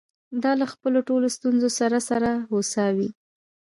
دا له خپلو ټولو ستونزو سره سره هوسا وې.